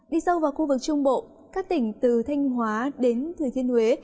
đi sâu vào khu vực trung bộ các tỉnh từ thanh hóa đến thừa thiên huế